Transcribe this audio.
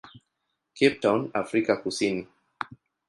Cape Town, Afrika Kusini.